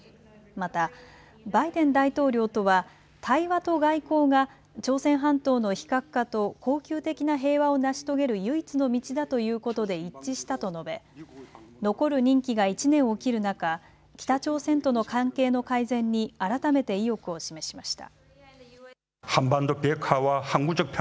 また、バイデン大統領とは対話と外交が朝鮮半島の非核化と恒久的な平和を成し遂げる唯一の道だということで一致したと述べ残る任期が１年を切る中、北朝鮮との関係の改善に改めて意欲を示しました。